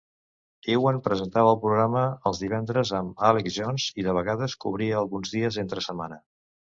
Evan presentava el programa els divendres amb Alex Jones i, de vegades, cobria alguns dies entre setmana.